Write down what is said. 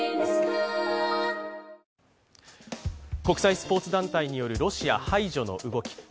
国際スポーツ団体によるロシア排除の動き。